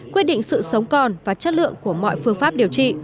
quyết định sự sống còn và chất lượng của mọi phương pháp điều trị